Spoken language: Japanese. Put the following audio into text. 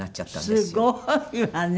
すごいわね！